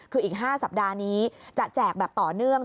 คืออีก๕สัปดาห์นี้จะแจกแบบต่อเนื่อง